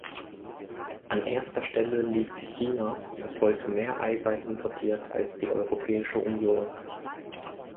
An erster Stelle liegt China, das heute mehr Eiweiß importiert als die Europäische Union.